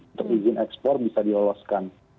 untuk izin ekspor bisa diloloskan